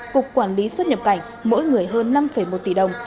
cục quản lý xuất nhập cảnh mỗi người hơn năm một tỷ đồng